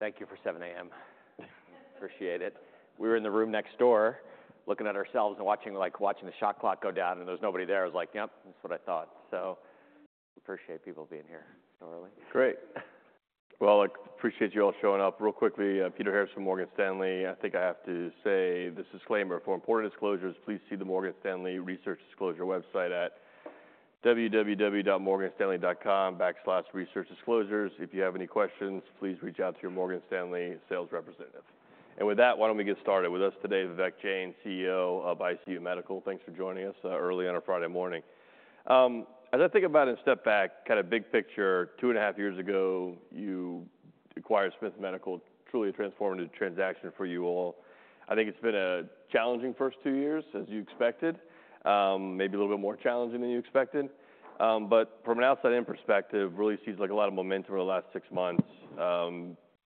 Thank you for 7:00 A.M. Appreciate it. We were in the room next door, looking at ourselves and watching, like, watching the shot clock go down, and there was nobody there. I was like, "Yep, that's what I thought." So appreciate people being here so early. Great. Well, I appreciate you all showing up. Real quickly, Peter Harrison from Morgan Stanley. I think I have to say the disclaimer. For important disclosures, please see the Morgan Stanley Research Disclosure website at www.morganstanley.com/researchdisclosures. If you have any questions, please reach out to your Morgan Stanley sales representative. And with that, why don't we get started? With us today, Vivek Jain, CEO of ICU Medical. Thanks for joining us, early on a Friday morning. As I think about and step back, kind of big picture, two and a half years ago, you acquired Smiths Medical. Truly a transformative transaction for you all. I think it's been a challenging first two years, as you expected. Maybe a little bit more challenging than you expected. But from an outside-in perspective, really seems like a lot of momentum over the last six months.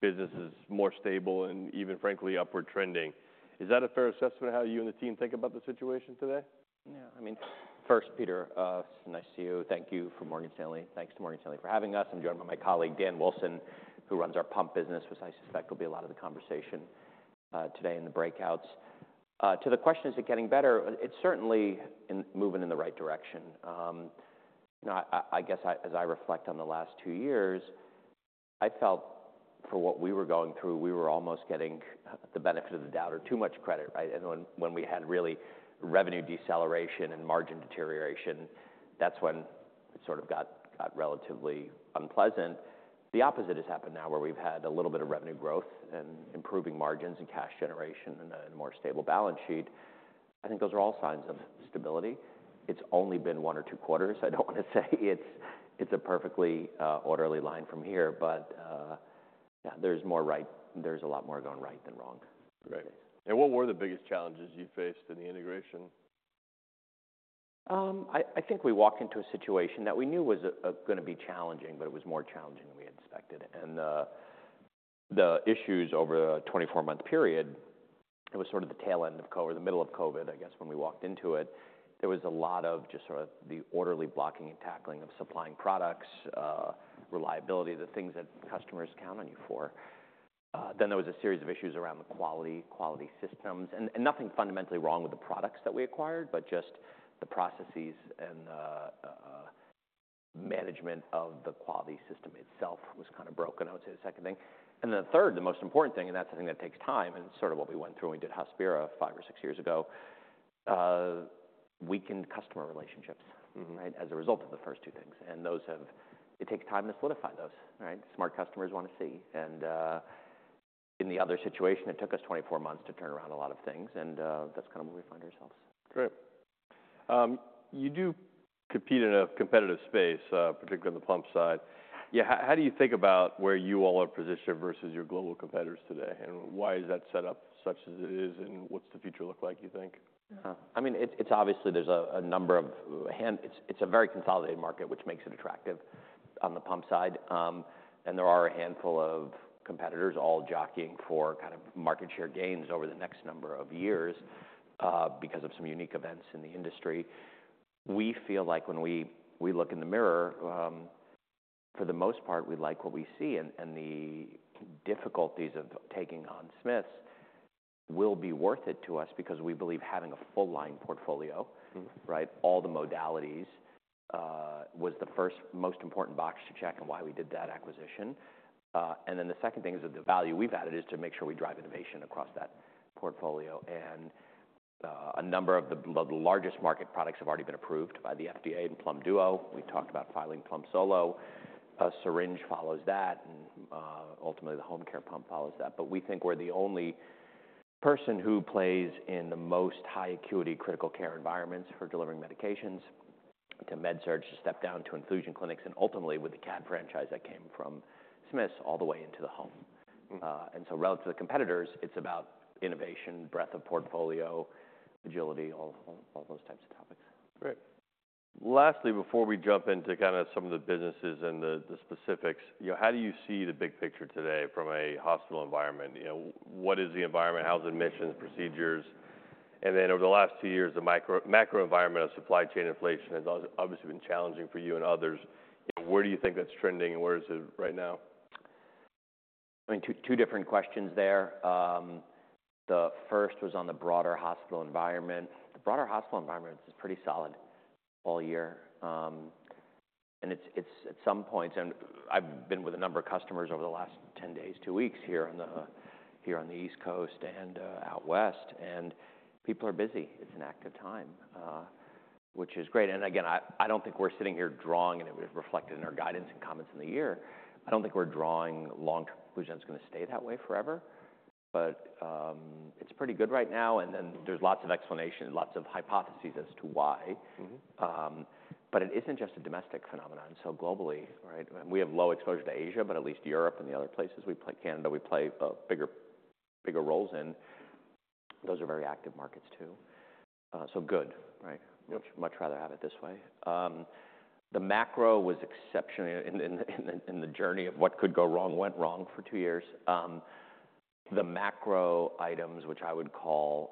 Business is more stable and even frankly, upward trending. Is that a fair assessment of how you and the team think about the situation today? Yeah, I mean, first, Peter, it's nice to see you. Thank you for Morgan Stanley. Thanks to Morgan Stanley for having us. I'm joined by my colleague, Dan Wilson, who runs our pump business, which I suspect will be a lot of the conversation today in the breakouts. To the question, is it getting better? It's certainly moving in the right direction. You know, I guess as I reflect on the last two years, I felt for what we were going through, we were almost getting the benefit of the doubt or too much credit, right? And when we had really revenue deceleration and margin deterioration, that's when it sort of got relatively unpleasant. The opposite has happened now, where we've had a little bit of revenue growth and improving margins and cash generation, and a more stable balance sheet. I think those are all signs of stability. It's only been one or two quarters. I don't want to say it's a perfectly orderly line from here, but yeah, there's more right. There's a lot more gone right than wrong. Right. And what were the biggest challenges you faced in the integration? I think we walked into a situation that we knew was gonna be challenging, but it was more challenging than we had expected, and the issues over a twenty-four-month period, it was sort of the tail end of COVID, or the middle of COVID, I guess, when we walked into it. There was a lot of just sort of the orderly blocking and tackling of supplying products, reliability, the things that customers count on you for. Then there was a series of issues around the quality, quality systems, and nothing fundamentally wrong with the products that we acquired, but just the processes and the management of the quality system itself was kind of broken, I would say the second thing. And then the third, the most important thing, and that's the thing that takes time, and sort of what we went through when we did Hospira five or six years ago, weakened customer relationships- Mm-hmm.. right? As a result of the first two things. And those have. It takes time to solidify those, right? Smart customers want to see. And, in the other situation, it took us 24 months to turn around a lot of things, and, that's kind of where we find ourselves. Great. You do compete in a competitive space, particularly on the pump side. Yeah, how do you think about where you all are positioned versus your global competitors today? And why is that set up such as it is, and what's the future look like, you think? I mean, it's a very consolidated market, which makes it attractive on the pump side. And there are a handful of competitors all jockeying for kind of market share gains over the next number of years, because of some unique events in the industry. We feel like when we look in the mirror, for the most part, we like what we see, and the difficulties of taking on Smiths will be worth it to us because we believe having a full line portfolio- Mm-hmm.... right? All the modalities was the first most important box to check on why we did that acquisition. And then the second thing is that the value we've added is to make sure we drive innovation across that portfolio. And a number of the largest market products have already been approved by the FDA and Plum Duo. We've talked about filing Plum Solo, a syringe follows that, and ultimately, the home care pump follows that. But we think we're the only person who plays in the most high acuity critical care environments for delivering medications, to med surg, to step down to infusion clinics, and ultimately, with the CADD franchise that came from Smiths, all the way into the home. Mm-hmm. And so relative to competitors, it's about innovation, breadth of portfolio, agility, all, all those types of topics. Great. Lastly, before we jump into kinda some of the businesses and the specifics, you know, how do you see the big picture today from a hospital environment? You know, what is the environment? How's admissions, procedures? And then over the last two years, the macro environment of supply chain inflation has obviously been challenging for you and others. Where do you think that's trending, and where is it right now? I mean, two different questions there. The first was on the broader hospital environment. The broader hospital environment is pretty solid all year. It's at some point. I've been with a number of customers over the last 10 days, two weeks, here on the East Coast and out West, and people are busy. It's an active time, which is great. Again, I don't think we're sitting here drawing, and it was reflected in our guidance and comments in the year. I don't think we're drawing long conclusion it's gonna stay that way forever, but it's pretty good right now, and then there's lots of explanation, lots of hypotheses as to why. Mm-hmm. But it isn't just a domestic phenomenon, so globally, right? We have low exposure to Asia, but at least Europe and the other places. We play Canada, we play bigger roles in. Those are very active markets, too. So good, right? Yep. Much rather have it this way. The macro was exceptional in the journey of what could go wrong, went wrong for two years. The macro items, which I would call,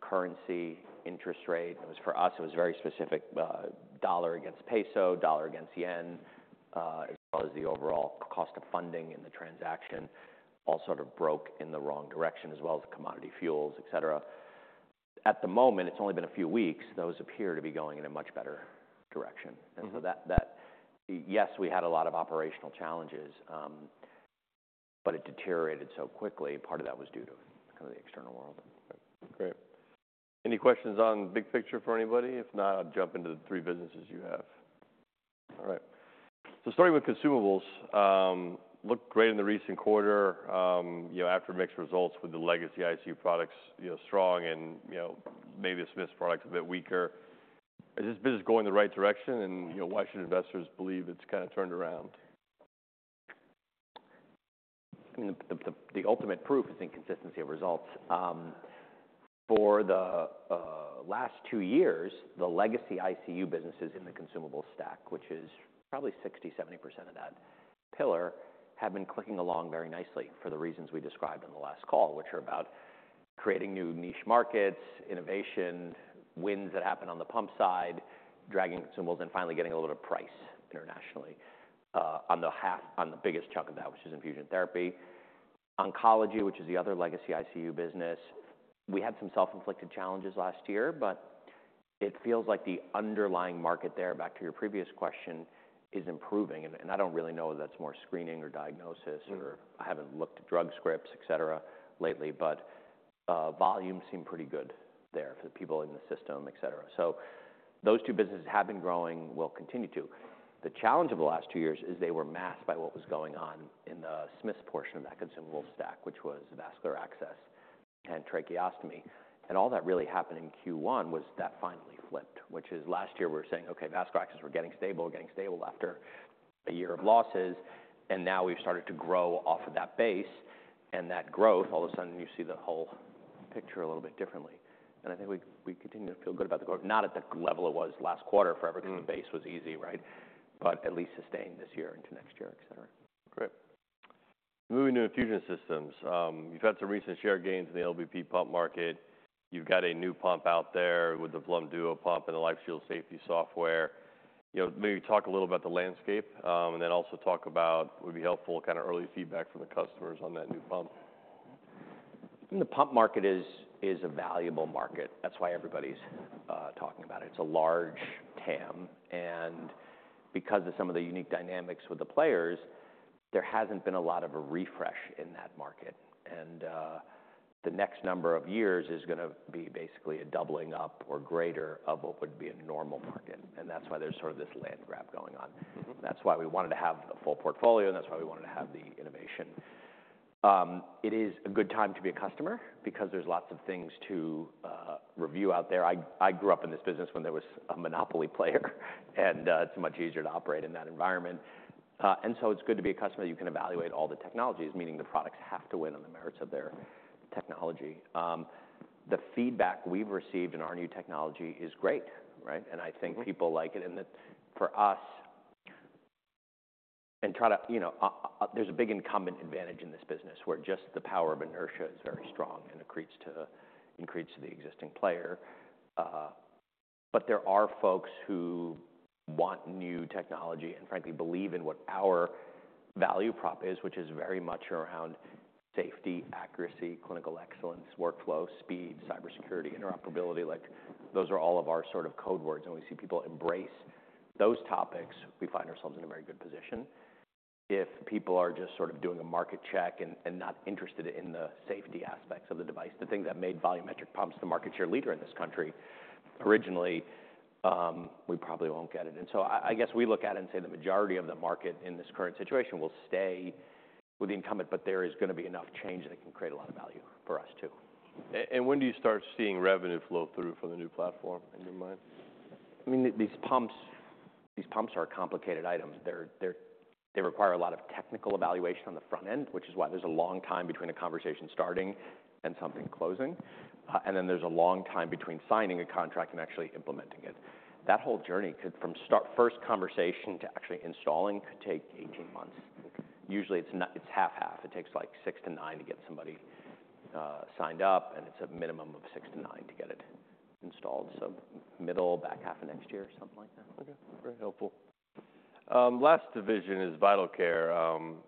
currency, interest rate. It was for us, it was very specific, dollar against peso, dollar against yen, as well as the overall cost of funding in the transaction, all sort of broke in the wrong direction, as well as commodity fuels, et cetera. At the moment, it's only been a few weeks, those appear to be going in a much better direction. Mm-hmm. Yes, we had a lot of operational challenges, but it deteriorated so quickly. Part of that was due to kind of the external world. Great. Any questions on big picture for anybody? If not, I'll jump into the three businesses you have. All right. So starting with Consumables, looked great in the recent quarter, you know, after mixed results with the legacy ICU products, you know, strong and, you know, maybe Smiths products a bit weaker. Is this business going in the right direction, and, you know, why should investors believe it's kind of turned around? I mean, the ultimate proof is the consistency of results. For the last two years, the legacy ICU businesses in the consumable stack, which is probably 60%-70% of that pillar, have been clicking along very nicely for the reasons we described in the last call, which are about creating new niche markets, innovation, wins that happen on the pump side, dragging consumables and finally getting a little bit of price internationally, on the biggest chunk of that, which is infusion therapy. Oncology, which is the other legacy ICU business, we had some self-inflicted challenges last year, but it feels like the underlying market there, back to your previous question, is improving. And I don't really know whether that's more screening or diagnosis- Mm. or I haven't looked at drug scripts, et cetera, lately, but, volumes seem pretty good there for the people in the system, et cetera. So those two businesses have been growing, will continue to. The challenge of the last two years is they were masked by what was going on in the Smiths portion of that consumable stack, which was vascular access and tracheostomy. And all that really happened in Q1 was that finally flipped, which is last year we were saying, "Okay, vascular access, we're getting stable, we're getting stable after a year of losses," and now we've started to grow off of that base. And that growth, all of a sudden, you see the whole picture a little bit differently. And I think we continue to feel good about the growth, not at the level it was last quarter, for every- Mm... kind of base was easy, right? But at least sustained this year into next year, et cetera. Great. Moving to infusion systems. You've had some recent share gains in the LVP pump market. You've got a new pump out there with the Plum Duo pump and the LifeShield Safety software. You know, maybe talk a little about the landscape, and then also talk about, would be helpful, kind of early feedback from the customers on that new pump. The pump market is a valuable market. That's why everybody's talking about it. It's a large TAM, and because of some of the unique dynamics with the players, there hasn't been a lot of a refresh in that market. The next number of years is gonna be basically a doubling up or greater of what would be a normal market, and that's why there's sort of this land grab going on. Mm-hmm. That's why we wanted to have a full portfolio, and that's why we wanted to have the innovation. It is a good time to be a customer because there's lots of things to review out there. I grew up in this business when there was a monopoly player, and it's much easier to operate in that environment, and so it's good to be a customer, you can evaluate all the technologies, meaning the products have to win on the merits of their technology. The feedback we've received in our new technology is great, right? Mm-hmm. I think people like it, and that for us. You know, there's a big incumbent advantage in this business, where just the power of inertia is very strong. Mm-hmm And accretes to the existing player. But there are folks who want new technology, and frankly, believe in what our value prop is, which is very much around safety, accuracy, clinical excellence, workflow, speed, cybersecurity, interoperability. Like, those are all of our sort of code words, and we see people embrace those topics, we find ourselves in a very good position. If people are just sort of doing a market check and not interested in the safety aspects of the device, the thing that made volumetric pumps the market share leader in this country originally, we probably won't get it. And so I guess we look at it and say the majority of the market in this current situation will stay with the incumbent, but there is gonna be enough change that can create a lot of value for us, too. When do you start seeing revenue flow through from the new platform, in your mind? I mean, these pumps, these pumps are complicated items. They're, they require a lot of technical evaluation on the front end, which is why there's a long time between a conversation starting and something closing. And then there's a long time between signing a contract and actually implementing it. That whole journey could, from start, first conversation to actually installing, could take 18 months. Usually, it's half-half. It takes, like, six to nine to get somebody signed up, and it's a minimum of six to nine to get it installed. So middle, back half of next year, or something like that. Okay. Very helpful. Last division is Vital Care.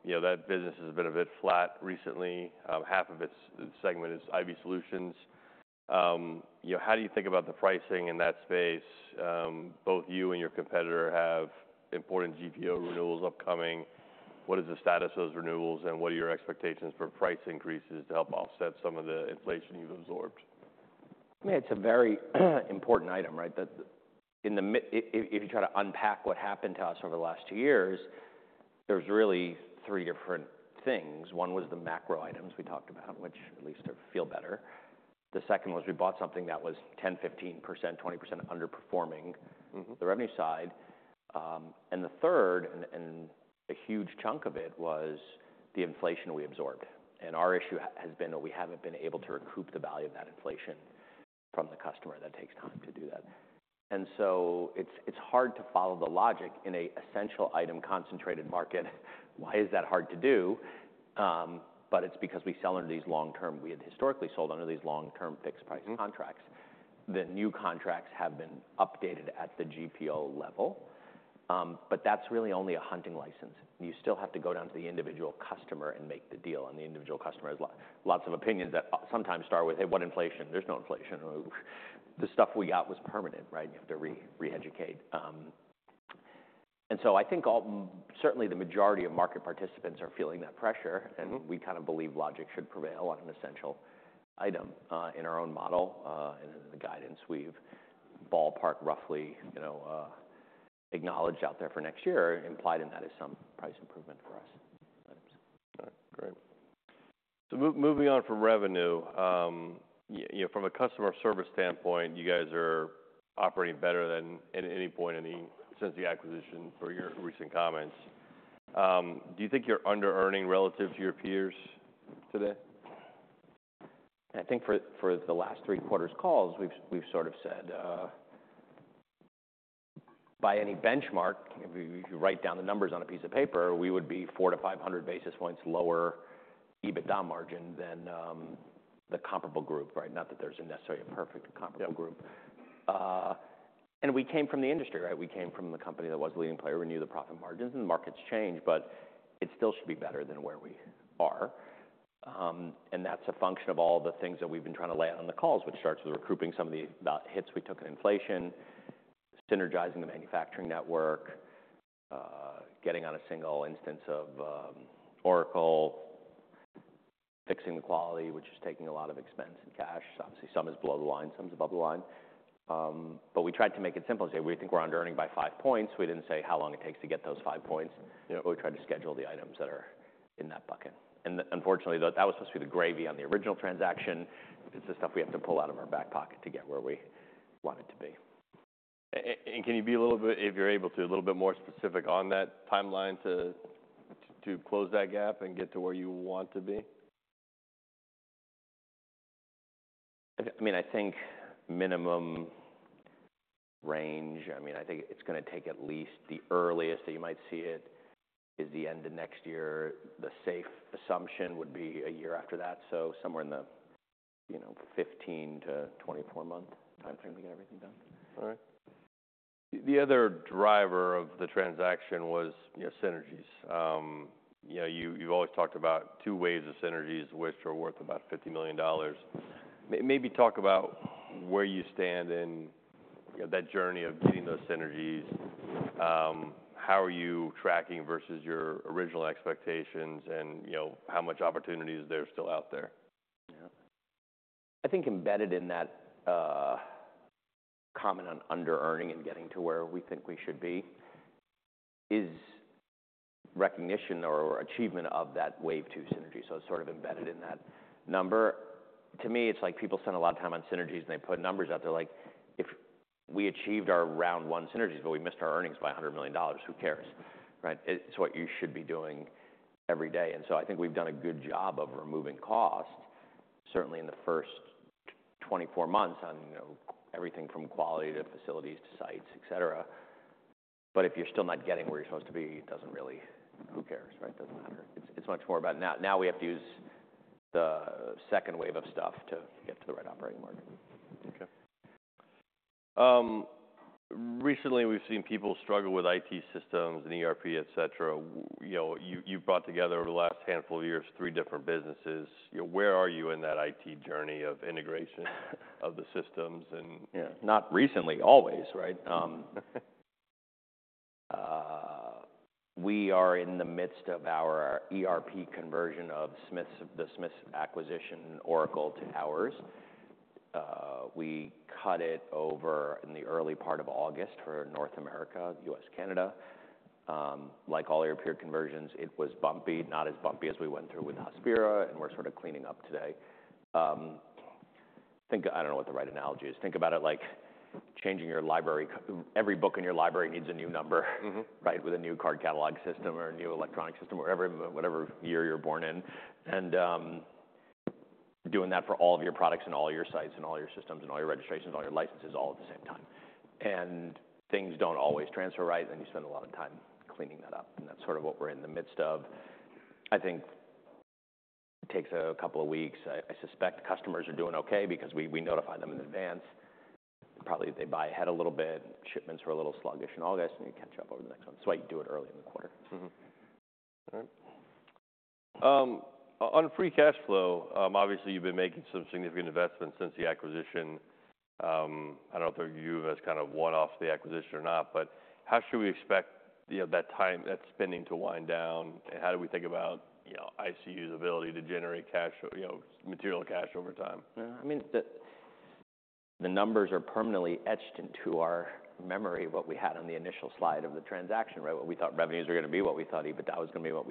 You know, that business has been a bit flat recently. Half of its segment is IV solutions. You know, how do you think about the pricing in that space? Both you and your competitor have important GPO renewals upcoming. What is the status of those renewals, and what are your expectations for price increases to help offset some of the inflation you've absorbed? I mean, it's a very important item, right? If you try to unpack what happened to us over the last two years, there's really three different things. One was the macro items we talked about, which at least feel better. The second was, we bought something that was 10, 15%, 20% underperforming- Mm-hmm... the revenue side. And the third, a huge chunk of it, was the inflation we absorbed. And our issue has been that we haven't been able to recoup the value of that inflation from the customer, and that takes time to do that. And so it's hard to follow the logic in a essential item concentrated market. Why is that hard to do? But it's because we sell under these long-term- we had historically sold under these long-term fixed price contracts. Mm-hmm. The new contracts have been updated at the GPO level, but that's really only a hunting license. You still have to go down to the individual customer and make the deal, and the individual customer has lots of opinions that, sometimes start with, "Hey, what inflation? There's no inflation. The stuff we got was permanent," right? You have to re-educate. And so I think certainly, the majority of market participants are feeling that pressure- Mm-hmm And we kind of believe logic should prevail on an essential item, in our own model. And in the guidance we've ballpark roughly, you know, acknowledged out there for next year, implied in that is some price improvement for us. All right. Great. So moving on from revenue, you know, from a customer service standpoint, you guys are operating better than at any point since the acquisition, per your recent comments. Do you think you're under-earning relative to your peers today? I think for the last three quarters calls, we've sort of said, by any benchmark, if you write down the numbers on a piece of paper, we would be 400-500 basis points lower EBITDA margin than the comparable group, right? Not that there's necessarily a perfect comparable group. Yeah. And we came from the industry, right? We came from the company that was the leading player. We knew the profit margins, and the markets change, but it still should be better than where we are. And that's a function of all the things that we've been trying to lay out on the calls, which starts with recouping some of the hits we took on inflation, synergizing the manufacturing network, getting on a single instance of Oracle, fixing the quality, which is taking a lot of expense and cash. Obviously, some is below the line, some is above the line. But we tried to make it simple and say, we think we're under earning by five points. We didn't say how long it takes to get those five points. You know, we tried to schedule the items that are in that bucket. And unfortunately, that was supposed to be the gravy on the original transaction. It's the stuff we have to pull out of our back pocket to get where we want it to be. And can you be a little bit, if you're able to, a little bit more specific on that timeline to close that gap and get to where you want to be? I mean, I think it's gonna take at least the earliest that you might see it is the end of next year. The safe assumption would be a year after that, so somewhere in the, you know, 15-24-month time frame to get everything done. All right. The other driver of the transaction was, you know, synergies. You know, you've always talked about two waves of synergies, which are worth about $50 million. Maybe talk about where you stand in, you know, that journey of getting those synergies. How are you tracking versus your original expectations? And, you know, how much opportunity is there still out there? Yeah. I think embedded in that comment on under-earning and getting to where we think we should be, is recognition or achievement of that wave two synergy, so it's sort of embedded in that number. To me, it's like people spend a lot of time on synergies, and they put numbers out there, like, if we achieved our round one synergies, but we missed our earnings by $100 million, who cares? Right. It's what you should be doing every day. And so I think we've done a good job of removing cost, certainly in the first twenty-four months on, you know, everything from quality to facilities to sites, et cetera. But if you're still not getting where you're supposed to be, it doesn't really... Who cares, right? It doesn't matter. It's much more about now we have to use the second wave of stuff to get to the right operating margin. Okay. Recently, we've seen people struggle with IT systems and ERP, et cetera. You know, you, you've brought together, over the last handful of years, three different businesses. You know, where are you in that IT journey of integration of the systems and Yeah, not recently, always, right? We are in the midst of our ERP conversion of Smiths, the Smiths acquisition, Oracle to ours. We cut it over in the early part of August for North America, U.S., Canada. Like all your peer conversions, it was bumpy, not as bumpy as we went through with Hospira, and we're sort of cleaning up today. I don't know what the right analogy is. Think about it like changing your library. Every book in your library needs a new number- Mm-hmm... right? With a new card catalog system or a new electronic system, or every whatever year you're born in, and doing that for all of your products and all your sites, and all your systems and all your registrations, all your licenses, all at the same time. And things don't always transfer right, and you spend a lot of time cleaning that up, and that's sort of what we're in the midst of. I think it takes a couple of weeks. I suspect customers are doing okay because we notify them in advance. Probably, they buy ahead a little bit. Shipments were a little sluggish in August, and we catch up over the next one. That's why you do it early in the quarter. Mm-hmm. All right. On free cash flow, obviously, you've been making some significant investments since the acquisition. I don't know if you view that as kind of one-off the acquisition or not, but how should we expect, you know, that spending to wind down, and how do we think about, you know, ICU's ability to generate cash, you know, material cash over time? Yeah. I mean, the numbers are permanently etched into our memory, what we had on the initial slide of the transaction, right? What we thought revenues were gonna be, what we thought EBITDA was gonna be, what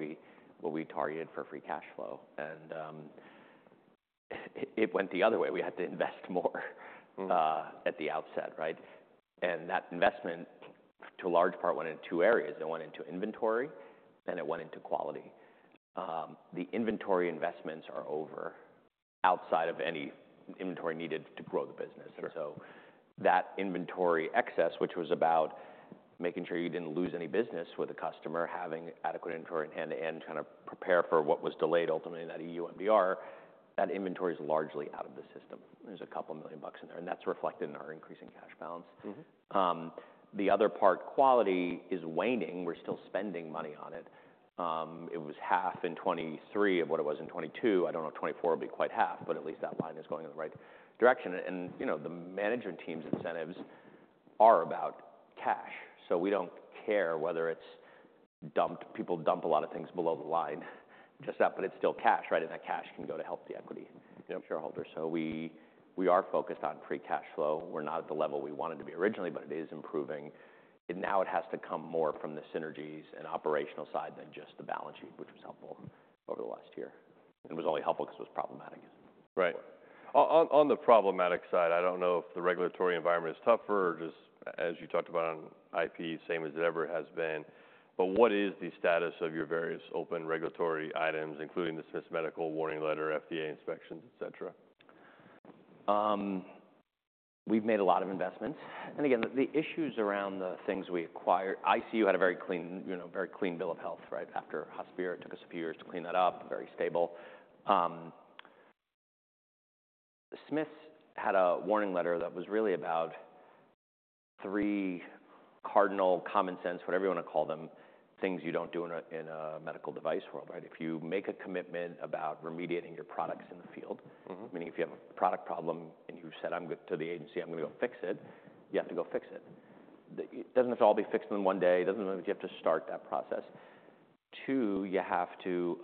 we targeted for free cash flow, and it went the other way. We had to invest more. Mm-hmm... at the outset, right? And that investment to a large part went in two areas. It went into inventory, and it went into quality. The inventory investments are over, outside of any inventory needed to grow the business. Sure. That inventory excess, which was about making sure you didn't lose any business with a customer, having adequate inventory end-to-end, trying to prepare for what was delayed ultimately in that EU MDR, that inventory is largely out of the system. There's $2 million in there, and that's reflected in our increasing cash balance. Mm-hmm. The other part, quality, is waning. We're still spending money on it. It was half in 2023 of what it was in 2022. I don't know if 2024 will be quite half, but at least that line is going in the right direction. And, you know, the management team's incentives are about cash, so we don't care whether it's dumped. People dump a lot of things below the line, just that, but it's still cash, right? And that cash can go to help the equity- Yep Shareholders. So we are focused on free cash flow. We're not at the level we wanted to be originally, but it is improving, and now it has to come more from the synergies and operational side than just the balance sheet, which was helpful over the last year. It was only helpful because it was problematic. Right. On the problematic side, I don't know if the regulatory environment is tougher or just, as you talked about on IP, same as it ever has been, but what is the status of your various open regulatory items, including the Smiths Medical warning letter, FDA inspections, et cetera? We've made a lot of investments, and again, the issues around the things we acquired. ICU had a very clean, you know, very clean bill of health, right? After Hospira, it took us a few years to clean that up. Very stable. Smiths had a warning letter that was really about three cardinal, common sense, whatever you want to call them, things you don't do in a medical device world, right? If you make a commitment about remediating your products in the field- Mm-hmm... meaning if you have a product problem and you've said, "I'm gonna," to the agency, "I'm gonna go fix it," you have to go fix it. It doesn't have to all be fixed in one day, it doesn't mean you have to start that process. Two, you have to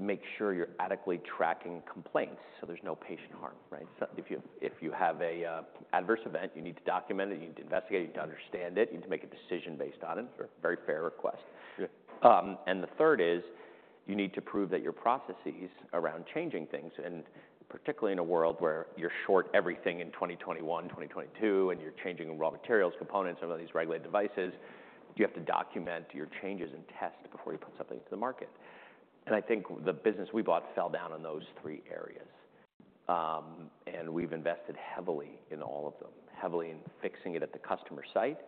make sure you're adequately tracking complaints, so there's no patient harm, right? So if you, if you have a adverse event, you need to document it, you need to investigate it, you need to understand it, you need to make a decision based on it. Sure. Very fair request. Sure. And the third is, you need to prove that your processes around changing things, and particularly in a world where you're short everything in twenty twenty-one, twenty twenty-two, and you're changing raw materials, components, some of these regulated devices, you have to document your changes and test before you put something to the market. And I think the business we bought fell down in those three areas. And we've invested heavily in all of them, heavily in fixing it at the customer site,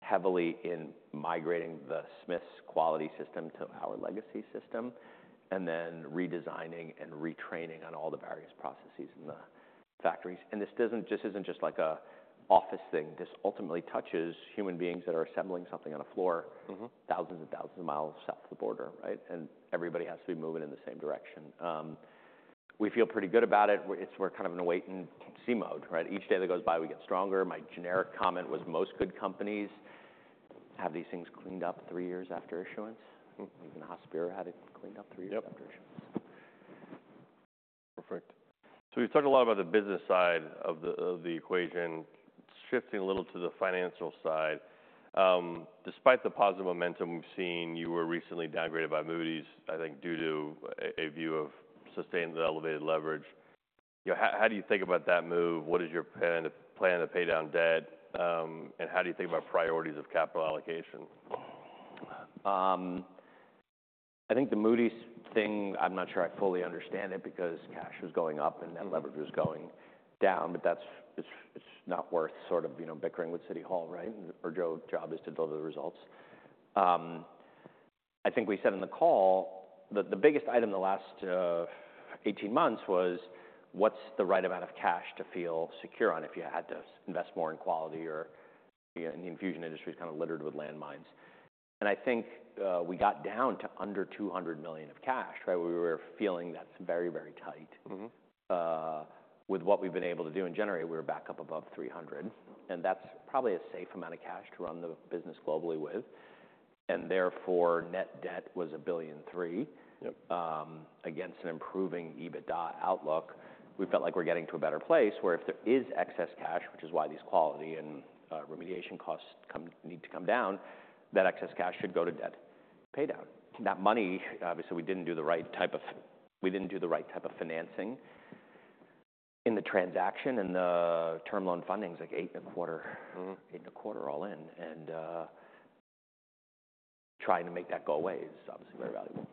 heavily in migrating the Smiths' quality system to our legacy system, and then redesigning and retraining on all the various processes in the factories. And this isn't just like an office thing. This ultimately touches human beings that are assembling something on a floor. Mm-hmm... 1,000s and 1,000s of miles south of the border, right? And everybody has to be moving in the same direction. We feel pretty good about it. We're kind of in a wait and see mode, right? Each day that goes by, we get stronger. My generic comment was, most good companies have these things cleaned up three years after issuance. Mm-hmm. Even Hospira had it cleaned up three years after issuance. Yep. Perfect. So we've talked a lot about the business side of the equation. Shifting a little to the financial side, despite the positive momentum we've seen, you were recently downgraded by Moody's, I think, due to a view of sustained elevated leverage. You know, how do you think about that move? What is your plan to pay down debt, and how do you think about priorities of capital allocation? I think the Moody's thing, I'm not sure I fully understand it, because cash was going up and then leverage was going down, but that's, it's not worth sort of, you know, bickering with City Hall, right? Our job is to deliver the results. I think we said in the call that the biggest item in the last eighteen months was: What's the right amount of cash to feel secure on if you had to invest more in quality or... And the infusion industry is kind of littered with landmines. And I think we got down to under $200 million of cash, right? We were feeling that's very, very tight. Mm-hmm. With what we've been able to do in January, we were back up above $300 million, and that's probably a safe amount of cash to run the business globally with, and therefore, net debt was $1.3 billion. Yep. Against an improving EBITDA outlook, we felt like we're getting to a better place, where if there is excess cash, which is why these quality and remediation costs need to come down, that excess cash should go to debt pay down. That money, obviously, we didn't do the right type of financing in the transaction, and the term loan funding is, like, eight and a quarter. Mm-hmm. Eight and a quarter, all in, and trying to make that go away is obviously very valuable,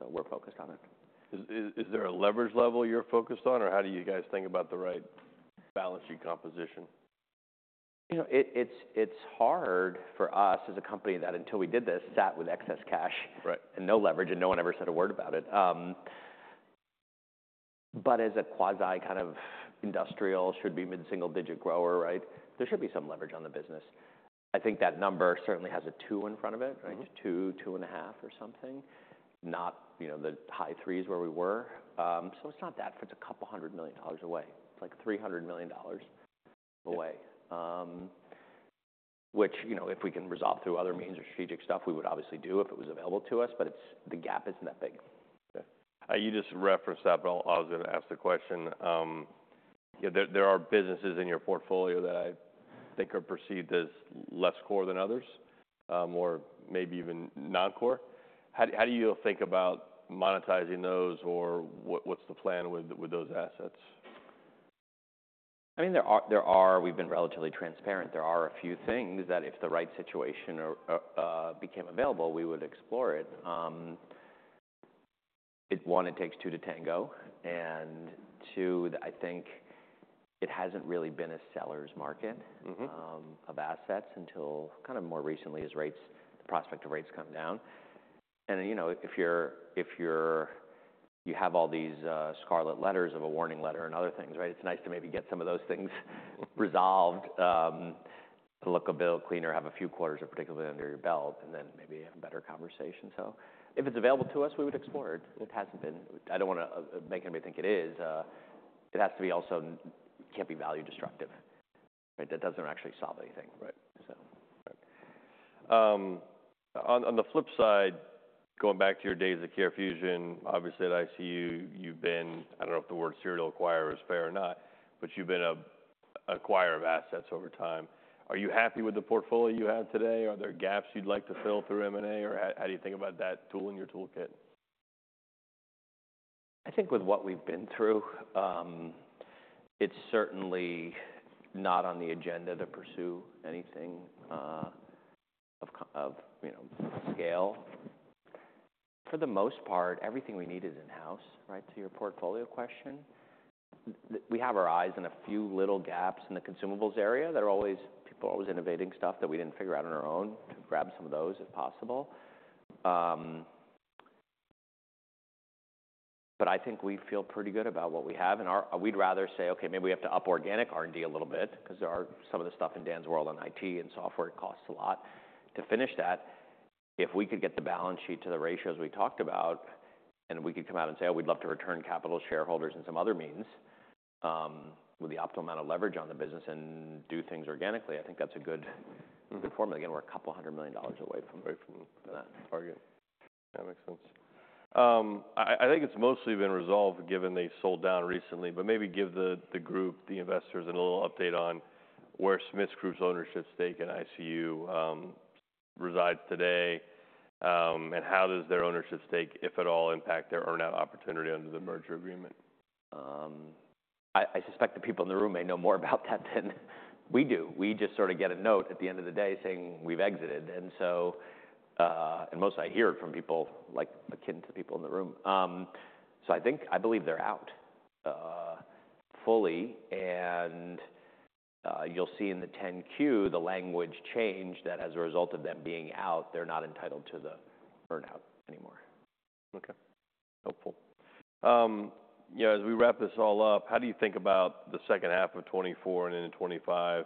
so we're focused on it. Is there a leverage level you're focused on, or how do you guys think about the right balance sheet composition? You know, it's hard for us as a company that, until we did this, sat with excess cash- Right... and no leverage, and no one ever said a word about it. But as a quasi kind of industrial, should be mid-single-digit grower, right? There should be some leverage on the business. I think that number certainly has a two in front of it, right? Mm-hmm. Two, two and a half or something. Not, you know, the high threes where we were. So it's not that, it's $200 million away. It's, like, $300 million away. Yep. Which, you know, if we can resolve through other means or strategic stuff, we would obviously do if it was available to us, but it's the gap isn't that big. Okay. You just referenced that, but I'll-- I was gonna ask the question. There are businesses in your portfolio that I think are perceived as less core than others? Or maybe even non-core, how do you all think about monetizing those, or what's the plan with those assets? I mean, there are. We've been relatively transparent. There are a few things that if the right situation or became available, we would explore it. One, it takes two to tango, and two, I think it hasn't really been a seller's market. Mm-hmm... of assets until kind of more recently as rates, the prospect of rates come down. And, you know, if you have all these scarlet letters of a warning letter and other things, right? It's nice to maybe get some of those things resolved, to look a bit cleaner, have a few quarters, particularly under your belt, and then maybe have a better conversation. So if it's available to us, we would explore it. It hasn't been... I don't wanna make anybody think it is. It has to be also, it can't be value destructive. Right? That doesn't actually solve anything. Right. So. Right. On the flip side, going back to your days at CareFusion, obviously, at ICU, you've been, I don't know if the word serial acquirer is fair or not, but you've been an acquirer of assets over time. Are you happy with the portfolio you have today? Are there gaps you'd like to fill through M&A, or how do you think about that tool in your toolkit? I think with what we've been through, it's certainly not on the agenda to pursue anything, of, you know, scale. For the most part, everything we need is in-house, right? To your portfolio question, we have our eyes on a few little gaps in the consumables area. There are always people innovating stuff that we didn't figure out on our own, to grab some of those, if possible. But I think we feel pretty good about what we have, and we'd rather say, "Okay, maybe we have to up organic R&D a little bit," 'cause there are some of the stuff in Dan's world, and IT, and software, it costs a lot. To finish that, if we could get the balance sheet to the ratios we talked about, and we could come out and say, "Oh, we'd love to return capital to shareholders and some other means," with the optimal amount of leverage on the business and do things organically, I think that's a good, good formula. Again, we're $200 million away from that target. That makes sense. I think it's mostly been resolved, given they sold down recently, but maybe give the group, the investors, a little update on where Smiths Group's ownership stake in ICU resides today, and how does their ownership stake, if at all, impact their earn-out opportunity under the merger agreement? I suspect the people in the room may know more about that than we do. We just sort of get a note at the end of the day saying, "We've exited." And so, and mostly I hear it from people, like, akin to the people in the room. So I think, I believe they're out, fully, and, you'll see in the 10-Q, the language changed, that as a result of them being out, they're not entitled to the earn-out anymore. Okay. Helpful. Yeah, as we wrap this all up, how do you think about the second half of twenty-four and into twenty-five?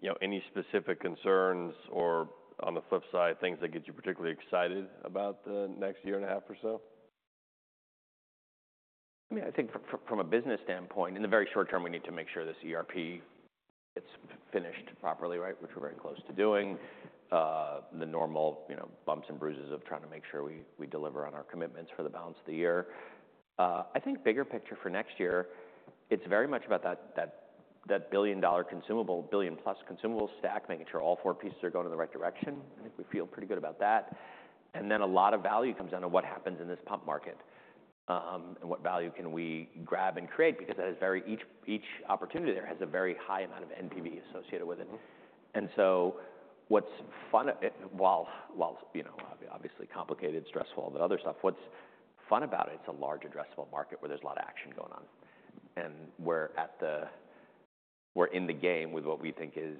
You know, any specific concerns or, on the flip side, things that get you particularly excited about the next year and a half or so? I mean, I think from a business standpoint, in the very short term, we need to make sure this ERP gets finished properly, right? Which we're very close to doing. The normal, you know, bumps and bruises of trying to make sure we deliver on our commitments for the balance of the year. I think bigger picture for next year, it's very much about that billion-dollar consumable, billion-plus consumable stack, making sure all four pieces are going in the right direction. I think we feel pretty good about that. And then, a lot of value comes down to what happens in this pump market, and what value can we grab and create, because that is very each opportunity there has a very high amount of NPV associated with it. Mm-hmm. What's fun? Well, while you know, obviously complicated, stressful, all that other stuff, what's fun about it is it's a large addressable market where there's a lot of action going on. We're in the game with what we think is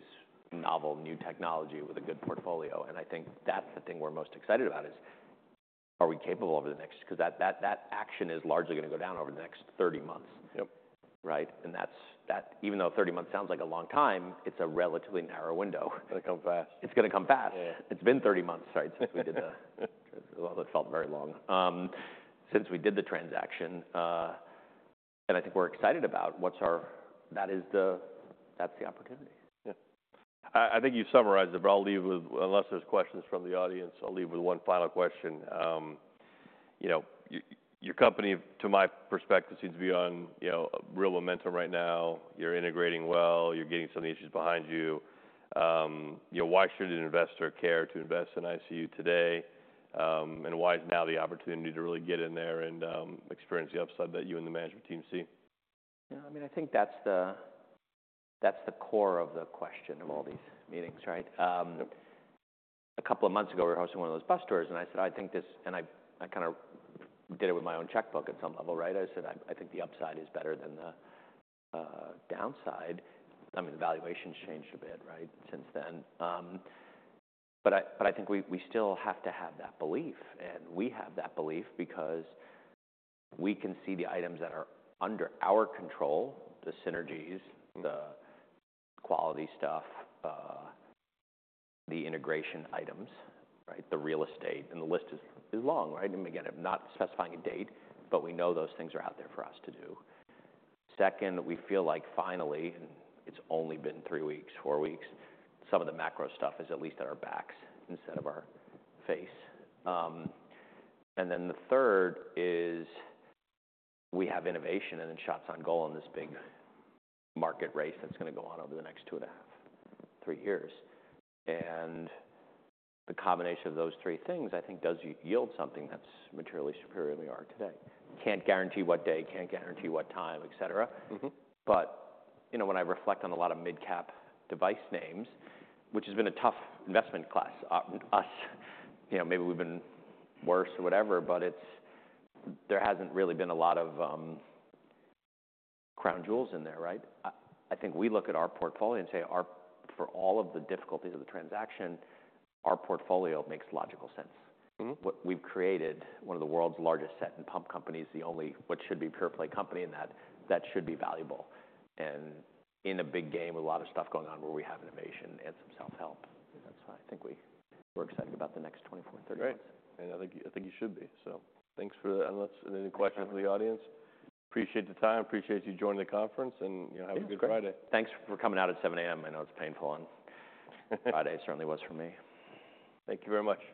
novel, new technology with a good portfolio. I think that's the thing we're most excited about: is are we capable over the next, 'cause that action is largely gonna go down over the next thirty months. Yep. Right? And that's that. Even though thirty months sounds like a long time, it's a relatively narrow window. It'll come fast. It's gonna come fast. Yeah. It's been thirty months, right, since we did the transaction. Well, it felt very long, and I think we're excited about what's our. That's the opportunity. Yeah. I think you've summarized it, but I'll leave with, unless there's questions from the audience, I'll leave with one final question. You know, your company, to my perspective, seems to be on, you know, real momentum right now. You're integrating well, you're getting some of the issues behind you. You know, why should an investor care to invest in ICU today, and why is now the opportunity to really get in there and experience the upside that you and the management team see? Yeah, I mean, I think that's the core of the question of all these meetings, right? Yep. A couple of months ago, we were hosting one of those bus tours, and I said, "I think this..." And I kind of did it with my own checkbook at some level, right? I said, "I think the upside is better than the downside." I mean, the valuation's changed a bit, right? Since then. But I think we still have to have that belief, and we have that belief because we can see the items that are under our control, the synergies- Mm-hmm... the quality stuff, the integration items, right? The real estate, and the list is long, right? And again, I'm not specifying a date, but we know those things are out there for us to do. Second, we feel like finally, and it's only been three weeks, four weeks, some of the macro stuff is at least at our backs instead of our face. And then the third is, we have innovation and then shots on goal in this big market race that's gonna go on over the next two and a half, three years. And the combination of those three things, I think, does yield something that's materially superior than we are today. Can't guarantee what day, can't guarantee what time, et cetera. Mm-hmm. But you know, when I reflect on a lot of mid-cap device names, which has been a tough investment class, us, you know, maybe we've been worse or whatever, but it's there hasn't really been a lot of crown jewels in there, right? I think we look at our portfolio and say, our. For all of the difficulties of the transaction, our portfolio makes logical sense. Mm-hmm. We've created one of the world's largest sets and pumps companies, the only pure-play company, and that should be valuable. In a big game, with a lot of stuff going on, where we have innovation and some self-help. That's why I think we're excited about the next 24-30 years. Great, and I think you should be. So thanks for that, unless there are any questions from the audience. Appreciate the time, appreciate you joining the conference, and, you know- Yeah, great... have a good Friday. Thanks for coming out at 7:00 A.M. I know it's painful on Friday, it certainly was for me. Thank you very much.